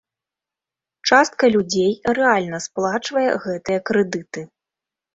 Частка людзей рэальна сплачвае гэтыя крэдыты.